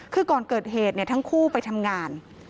คือก่อนเกิดเหตุทั้งคู่ไปทำงาน